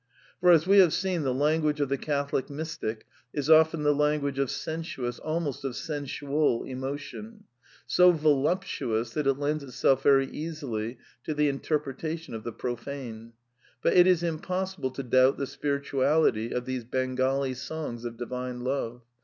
For, as we have seen, the language of the Catholic mystic is often the language of sensuous, almost of sensual emotion; so voluptuous that it lends itself very easily to the interpretation of the profane. But it is im possible to doubt the " spirituality " of these Bengali songs of Divine Love.